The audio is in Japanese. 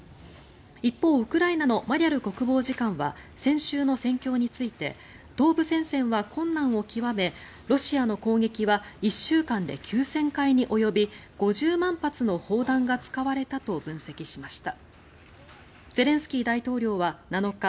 一方、ウクライナのマリャル国務次官は先週の戦況について東部戦線は困難を極めロシアの攻撃は１週間で９０００回に及び５０万発の砲弾が使われたと分析しました。